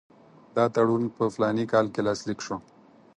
دا تړون په فلاني کال کې لاسلیک شو.